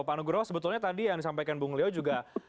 pak nugroho sebetulnya tadi yang disampaikan bung leo juga